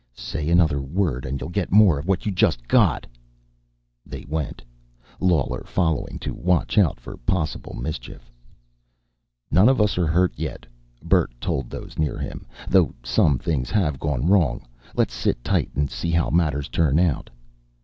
"Say another word and you'll get more of what you just got." They went, Lawler following to watch out for possible mischief. "None of us are hurt, yet," Bert told those near him, "though some things have gone wrong. Let's sit tight and see how matters turn out."